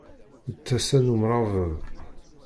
D tasa n umṛabeḍ!